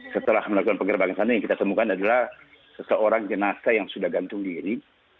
setelah melakukan penggerbakan sana yang kita temukan adalah seseorang jenazah yang sudah gantung diri